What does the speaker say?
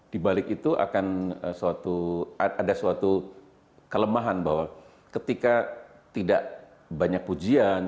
di balik itu akan ada suatu kelemahan bahwa ketika tidak banyak pujian